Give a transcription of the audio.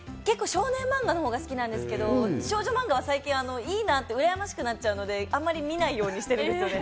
少年マンガのほうが好きなんですけど少女マンガは最近いいなって、うらやましくなっちゃので、あまり見ないようにしてるんですよね。